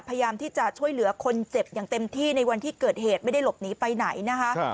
พยายามที่จะช่วยเหลือคนเจ็บอย่างเต็มที่ในวันที่เกิดเหตุไม่ได้หลบหนีไปไหนนะคะ